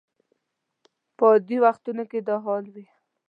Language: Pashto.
په عادي وختونو کې دا حال وي.